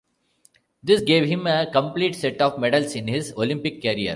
This gave him a complete set of medals in his Olympic career.